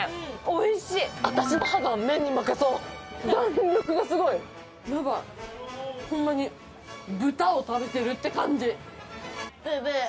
おいしい私の歯が麺に負けそう弾力がすごいヤバいホンマに豚を食べてるって感じ